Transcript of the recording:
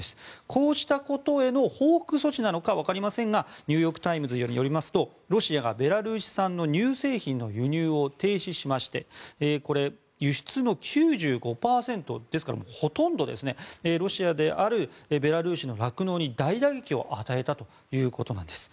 こうしたことへの報復措置なのか分かりませんがニューヨーク・タイムズによりますとロシアがベラルーシ産の乳製品の輸入を停止しまして輸出の９５％ですから、ほとんどロシアであるベラルーシの酪農に大打撃を与えたということです。